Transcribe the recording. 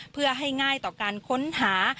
เพื่อให้ง่ายต่อการค้นหา